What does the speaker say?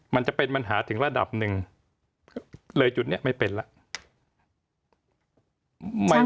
มันจะเป็นปัญหาถึงระดับหนึ่งเลยจุดนี้ไม่เป็นแล้ว